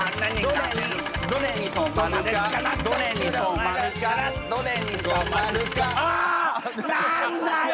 どれにどれに止まるかどれに止まるかどれに止まるかあ何だよ！